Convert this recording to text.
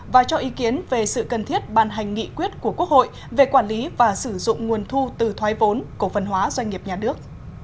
và cho ý kiến về sự cần thiết ban hành nghị quyết của quốc hội về quản lý và sử dụng nguồn thu từ thoái vốn cổ phần hóa doanh nghiệp nhà nước